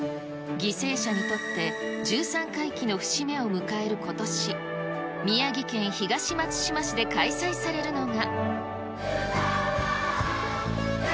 犠牲者にとって１３回忌の節目を迎えることし、宮城県東松島市で開催されるのが。